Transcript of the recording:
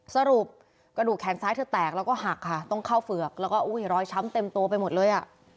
สรุปกระดูกแขนซ้ายเธอแตกแล้วก็หักค่ะต้องเข้าเฝือกแล้วก็อุ้ยรอยช้ำเต็มตัวไปหมดเลยอ่ะ